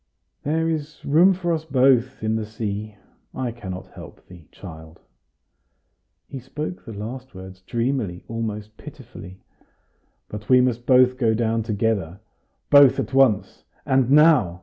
"There is room for us both in the sea. I cannot help thee, child" he spoke the last words dreamily, almost pitifully "but we must both go down together both at once and now!"